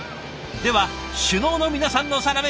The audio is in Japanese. では首脳の皆さんのサラメシを。